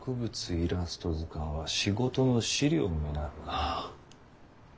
「イラスト図鑑」は仕事の資料になるな。